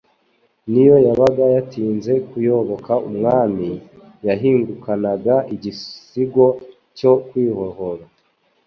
Niyo yabaga yatinze kuyoboka Umwami ,yahingukanaga igisigo cyo kwihohora.